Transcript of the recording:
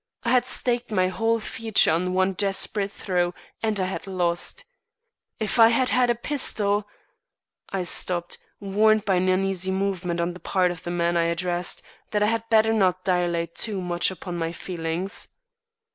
I had staked my whole future on one desperate throw and I had lost. If I had had a pistol " I stopped, warned by an uneasy movement on the part of the man I addressed, that I had better not dilate too much upon my feelings.